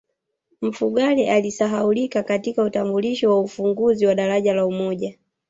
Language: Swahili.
mfugale alisahaulika katika utambulisho wa ufunguzi wa daraja la umoja